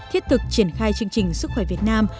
thiết thực triển khai chương trình sức khỏe việt nam